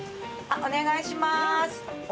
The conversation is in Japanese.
お願いします。